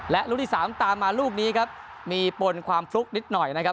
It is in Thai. และลูกที่สามตามมาลูกนี้ครับมีปนความฟลุกนิดหน่อยนะครับ